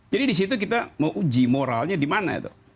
jadi di situ kita mau uji moralnya di mana itu